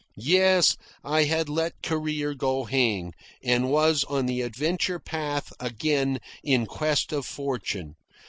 Yes, I had let career go hang, and was on the adventure path again in quest of fortune.